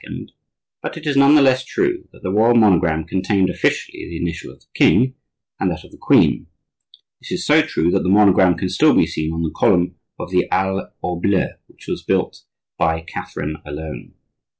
but it is none the less true that the royal monogram contained officially the initial of the king and that of the queen. This is so true that the monogram can still be seen on the column of the Halle au Ble, which was built by Catherine alone.